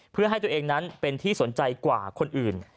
เพื่อให้ตัวเองนั้นเป็นที่สนใจกว่าคนอื่น